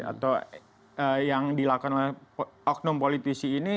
atau yang dilakukan oleh oknum politisi ini